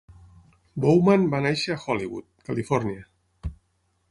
Bowman va néixer a Hollywood, Califòrnia.